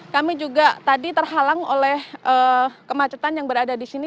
kami juga tadi terhalang oleh kemacetan yang berada di sini